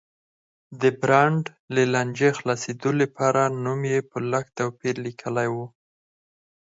د برانډ له لانجې خلاصېدو لپاره نوم یې په لږ توپیر لیکلی و.